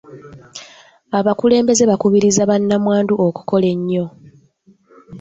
Abakulembeze bakubirizza ba nnamwandu okukola ennyo.